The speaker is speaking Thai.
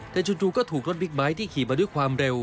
แต่จู่ก็ถูกรถบิ๊กไบท์ที่ขี่มาด้วยความเร็ว